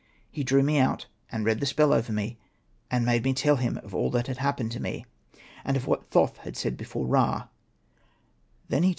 He drew me out, and read the spell over me, and made me tell him READING THE SPELL. of all that had happened to me, and of what Thoth had said before Ra.